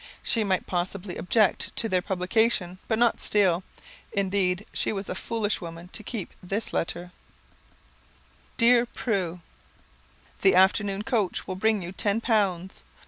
She might possibly object to their publication, but not Steele! Indeed, she was a foolish woman to keep this letter: "Dear Prue: "The afternoon coach will bring you ten pounds.